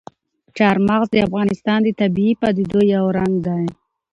چار مغز د افغانستان د طبیعي پدیدو یو رنګ دی.